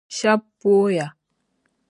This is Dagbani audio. Shɛb’ pooya.